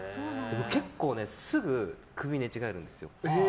結構すぐ首を寝違えるんですよ。